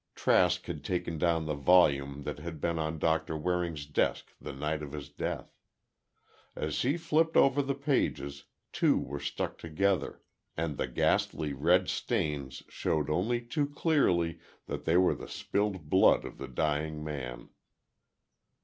Trask had taken down the volume that had been on Doctor Waring's desk the night of his death. As he flipped over the pages, two were stuck together, and the ghastly red stains showed only too clearly that they were the spilled blood of the dying man.